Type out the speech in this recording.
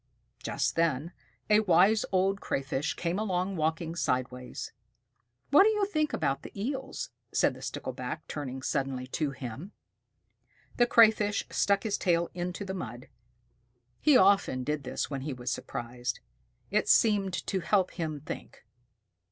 Just then a Wise Old Crayfish came along walking sidewise. "What do you think about the Eels?" asked the Stickleback, turning suddenly to him. The Crayfish stuck his tail into the mud. He often did this when he was surprised. It seemed to help him think.